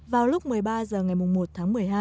vào lúc một mươi ba h ngày một tháng một mươi hai